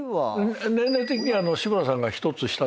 年齢的には志村さんが１つ下です。